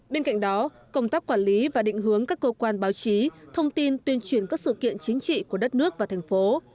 bên cạnh đó công tác quản lý và định hướng các cơ quan báo chí thông tin tuyên truyền các sự kiện chính trị của đất nước và thành phố